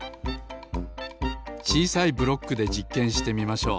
ちいさいブロックでじっけんしてみましょう。